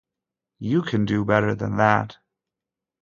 You can do better than that!